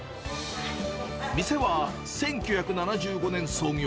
店は１９７５年創業。